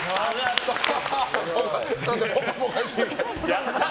やったー！